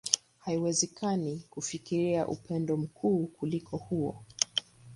Haiwezekani kufikiria upendo mkuu kuliko huo.